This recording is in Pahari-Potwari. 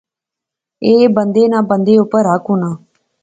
ایہہ بندے ناں بندے اپر حق ہونا